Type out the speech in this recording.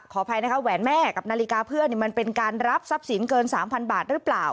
ขออภัยนะคะแหวนแม่กับนาฬิกาเพื่อนมันเป็นการรับทรัพย์สินเกิน๓๐๐บาทหรือเปล่า